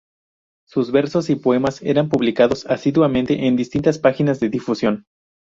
Sus versos y poemas eran publicados asiduamente en distintas páginas de difusión.